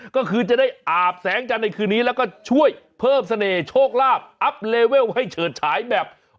ก็คือจะได้อาบแสงจันทร์ในคืนนี้แล้วก็ช่วยเพิ่มเสน่ห์โชคลาภอัพเลเวลให้เฉิดฉายแบบ